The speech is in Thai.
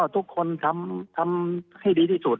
ทุกคนทำให้ดีที่สุด